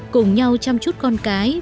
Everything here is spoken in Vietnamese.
cùng nhau chăm chút con cái